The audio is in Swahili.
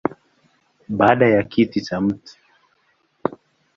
Baada ya kiti cha Mt.